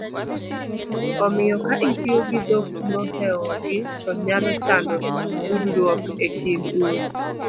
omiyo ka itiyo gi dhok mohewogi to nyalo chando tudruok e kind un